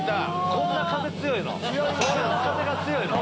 こんな風が強いの？